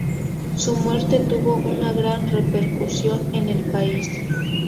Su muerte tuvo una gran repercusión en el país.